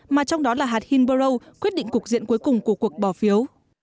mà trong đó là hạt hiborow quyết định cuộc diện cuối cùng của cuộc bỏ phiếu